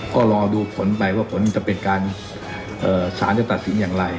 ก็รอดูผลไปว่าผลจะเป็นการสารจะตัดสินอย่างไร